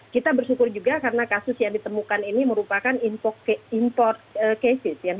kita bersyukur juga karena kasus yang ditemukan ini merupakan import cases